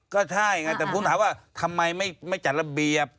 ก็ใช่ไงแต่ผมถามว่าทำไมไม่จัดระเบียบ